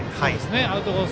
アウトコース